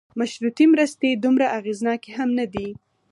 مشروطې مرستې دومره اغېزناکې هم نه دي.